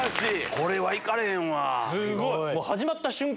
これは行かれへんわ。